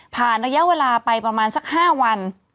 ระยะเวลาไปประมาณสัก๕วัน